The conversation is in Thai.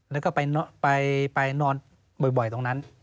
แล้วก็ไปนอนบ่อยตรงนั้น